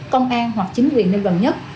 công an hoặc chính quyền nơi gần nhất